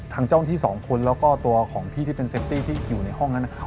ทางเจ้าหน้าที่สองคนแล้วก็ตัวของพี่ที่เป็นเซฟตี้ที่อยู่ในห้องนั้นนะครับ